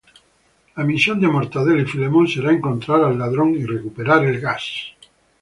La misión de Mortadelo y Filemón será encontrar al ladrón y recuperar el gas.